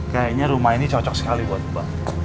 kayaknya rumah ini cocok sekali buat mbak